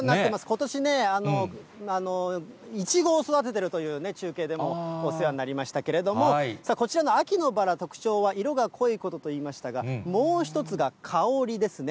ことし、イチゴを育てているという中継でもお世話になりましたけれども、こちらの秋のバラ、特徴は色が濃いことと言いましたが、もう１つが香りですね。